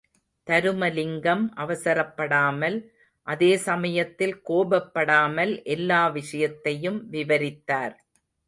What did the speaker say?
தருமலிங்கம் அவசரப்படாமல், அதே சமயத்தில் கோபப்படாமல் எல்லா விஷயத்தையும் விவரித்தார்.